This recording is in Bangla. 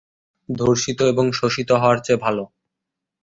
ধর্ষিত এবং শোষিত হওয়ার চেয়ে।